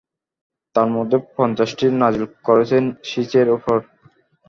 তন্মধ্যে পঞ্চাশটি নাযিল করেন শীছ-এর উপর।